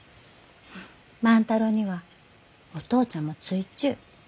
万太郎にはお父ちゃんもついちゅう。